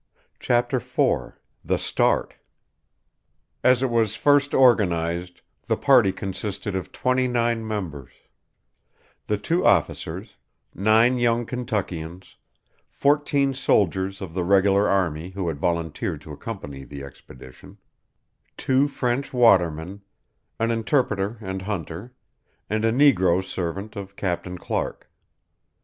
CHAPTER IV THE START As it was first organized, the party consisted of twenty nine members, the two officers, nine young Kentuckians, fourteen soldiers of the regular army who had volunteered to accompany the expedition, two French watermen, an interpreter and hunter, and a negro servant of Captain Clark.